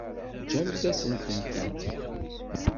Ǧǧemt-asent-tent-id.